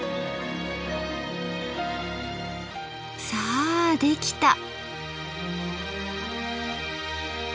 さあできた！